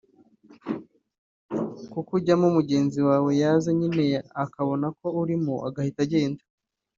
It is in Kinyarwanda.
kuko ujyamo mugenzi wawe yaza nyine akabona ko urimo agahita agenda